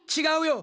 違う！